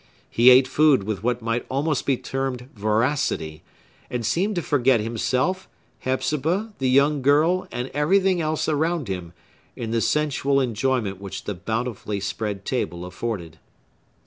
He ate food with what might almost be termed voracity; and seemed to forget himself, Hepzibah, the young girl, and everything else around him, in the sensual enjoyment which the bountifully spread table afforded.